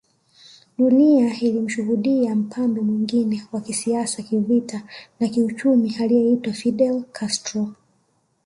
Dunia ilimshuhudia mbambe mwingine wa kisiasa kivita na kiuchumi aliyeitwa Fidel Castro